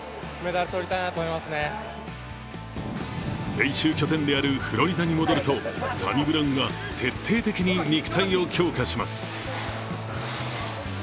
練習拠点であるフロリダに戻るとサニブラウンは徹底的に肉体を強化します。